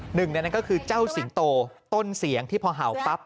หนึ่งในนั้นก็คือเจ้าสิงโตต้นเสียงที่พอเห่าปั๊บ